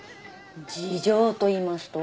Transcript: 事情といいますと？